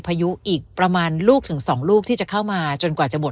พายุอีกประมาณลูกถึงสองลูกที่จะเข้ามาจนกว่าจะหมด